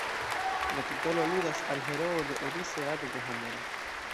La titolo aludas al heroo de "Odiseado" de Homero.